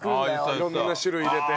色んな種類入れて。